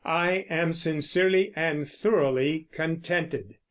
I am sincerely and thoroughly contented.